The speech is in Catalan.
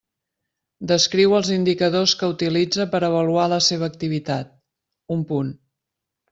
Descriu els indicadors que utilitza per avaluar la seva activitat: un punt.